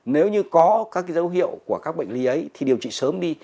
nếu như có các dấu hiệu của các bệnh lý ấy thì điều trị sớm đi